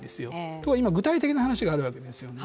ところが今、具体的な話があるわけですよね。